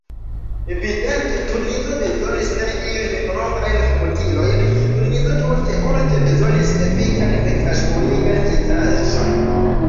Evidente Tunizo bezonis ne iujn novajn komputilojn, Tunizo tute urĝe bezonis efikan fekaĵpurigan instalaĵon.